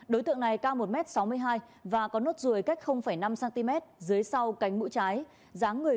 đối tượng này ca một m sáu mươi hai và có nốt rùi cách năm cm dưới sau cánh mũ trái